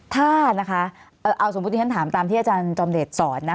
ถ้านะคะเอาสมมุติที่ฉันถามตามที่อาจารย์จอมเดชสอนนะ